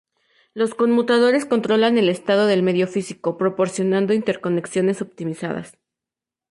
Los conmutadores controlan el estado del medio físico, proporcionando interconexiones optimizadas.